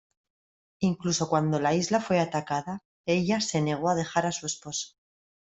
Incluso cuando la isla fue atacada, ella se negó a dejar a su esposo.